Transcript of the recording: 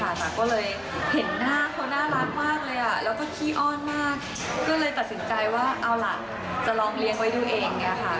มากก็เลยเห็นหน้าเค้าน่ารักมากเลยอะแล้วก็คี่อ้อนมากก็เลยตัดสังใจว่าเอาละจะลองเลี้ยงไว้ทุกเอง